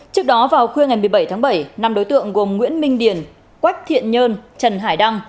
trước đó vào khuya ngày một mươi bảy tháng bảy năm đối tượng gồm nguyễn minh điền quách thiện nhân trần hải đăng